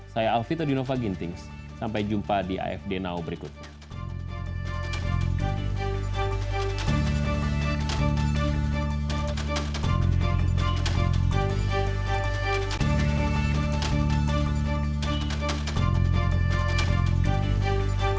saya alvito dinova gintings sampai jumpa di afd now berikutnya